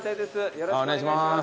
よろしくお願いします。